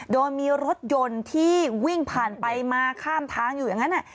โดยมีรถยนต์ที่วิ่งผ่านไปมาข้ามทางอยู่อย่างนั้น